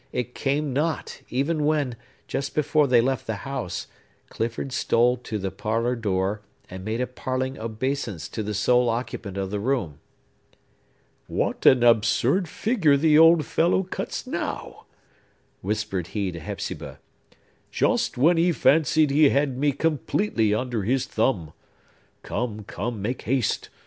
It came not, even when, just before they left the house, Clifford stole to the parlor door, and made a parting obeisance to the sole occupant of the room. "What an absurd figure the old fellow cuts now!" whispered he to Hepzibah. "Just when he fancied he had me completely under his thumb! Come, come; make haste!